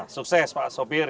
sukses pak sopir ya